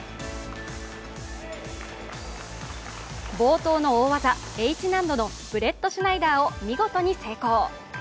冒頭の大技、Ｈ難度のブレットシュナイダーを見事に成功。